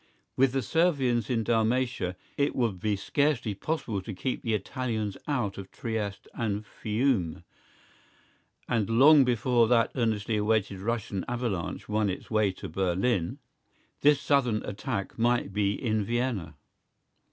With the Servians in Dalmatia it would be scarcely possible to keep the Italians out of Trieste and Fiume, and long before that earnestly awaited Russian avalanche won its way to Berlin, this southern attack might be in Vienna.